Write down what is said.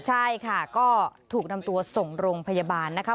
ใช่ค่ะก็ถูกนำตัวส่งโรงพยาบาลนะคะ